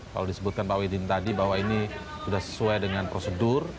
kalau disebutkan pak wedin tadi bahwa ini sudah sesuai dengan prosedur